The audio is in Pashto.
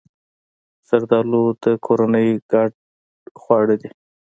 زردالو د کورنۍ ګډ خوړ دی.